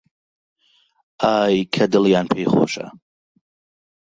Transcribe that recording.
ئای کە دڵیان پێی خۆشە